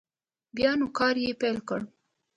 بیا نوی کار یې پیل کړ.